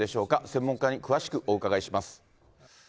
専門家に詳しくお伺いします。